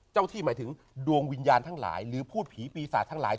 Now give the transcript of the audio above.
เจ้าที่หมายถึงดวงวิญญาณทั้งหลายหรือพูดผีปีศาจทั้งหลาย